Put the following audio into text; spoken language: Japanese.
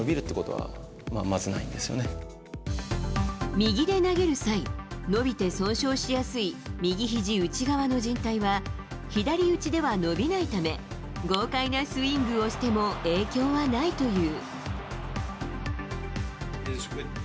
右で投げる際、伸びて損傷しやすい右肘内側のじん帯は、左打ちでは伸びないため豪快なスイングをしても影響はないという。